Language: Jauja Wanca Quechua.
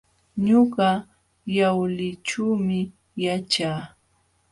Ñuqa Yawlićhuumi yaćhaa.